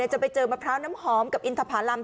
จะไปเจอมะพร้าวน้ำหอมกับอินทภารำ